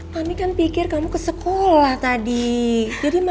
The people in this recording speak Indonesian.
kami kan pikir kamu ke sekolah tadi